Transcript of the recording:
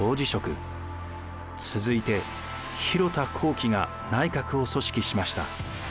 続いて広田弘毅が内閣を組織しました。